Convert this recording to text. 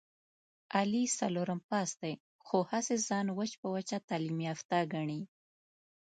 علي څلورم پاس دی، خو هسې ځان وچ په وچه تعلیم یافته ګڼي...